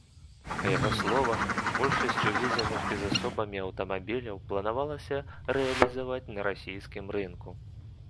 Па яго словах, большасць увезеных фізасобамі аўтамабіляў планавалася рэалізаваць на расійскім рынку.